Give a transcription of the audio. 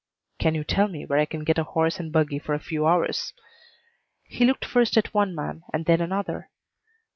"Can you tell me where I can get a horse and buggy for a few hours?" He looked first at one man and then another.